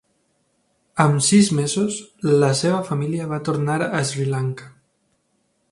Amb sis mesos la seva família va tornar a Sri Lanka.